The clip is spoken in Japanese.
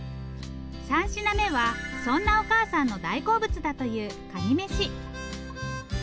３品目はそんなお母さんの大好物だというカニ飯。